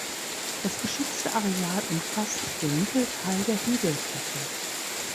Das geschützte Areal umfasst den Mittelteil der Hügelkette.